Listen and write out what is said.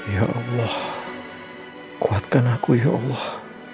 ya allah kuatkan aku ya allah